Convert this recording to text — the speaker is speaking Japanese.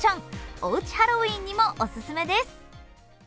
おうちハロウィーンにもお勧めです。